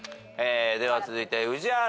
では続いて宇治原。